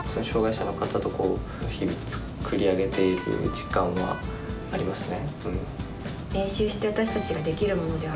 ・実感はありますね。